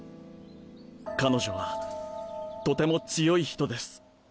彼女はとても強い人です。